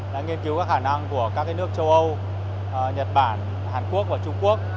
đã nghiên cứu các khả năng của các nước châu âu nhật bản hàn quốc và trung quốc